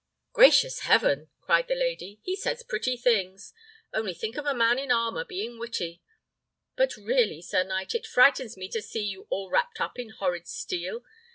"Gracious heaven!" cried the lady, "he says pretty things. Only think of a man in armour being witty! But really, sir knight, it frightens me to see you all wrapped up in horrid steel.